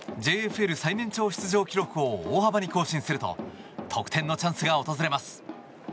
ＪＦＬ最年長出場記録を大幅に更新すると得点のチャンスが訪れます。